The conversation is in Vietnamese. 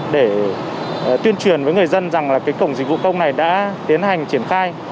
để tuyên truyền với người dân rằng là cái cổng dịch vụ công này đã tiến hành triển khai